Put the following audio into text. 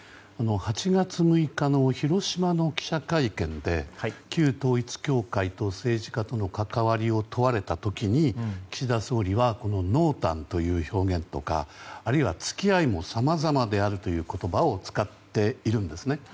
８月６日の広島の記者会見で旧統一教会と政治家との関わりを問われた時に岸田総理は、濃淡という表現とかあるいは付き合いもさまざまであるという言葉を使っているんですね。